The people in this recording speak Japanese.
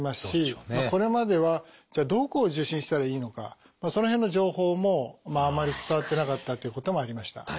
しこれまではじゃあどこを受診したらいいのかその辺の情報もあんまり伝わってなかったっていうこともありました。